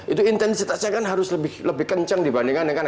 itu intensitasnya kan harus lebih kencang dibandingkan dengan